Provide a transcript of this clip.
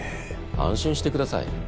安心してください。